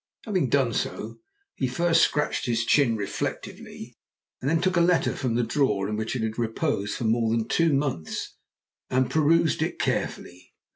Having done so, he first scratched his chin reflectively, and then took a letter from the drawer in which it had reposed for more than two months and perused it carefully.